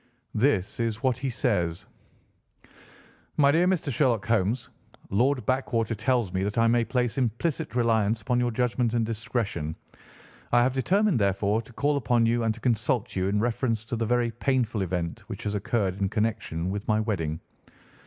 This is what he says: "'MY DEAR MR. SHERLOCK HOLMES,—Lord Backwater tells me that I may place implicit reliance upon your judgment and discretion. I have determined, therefore, to call upon you and to consult you in reference to the very painful event which has occurred in connection with my wedding.